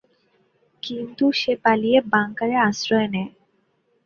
কিন্তু সে পালিয়ে বাংকারে আশ্রয় নেয়।